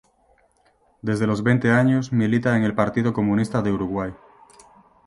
Desde los veinte años milita en el Partido Comunista de Uruguay.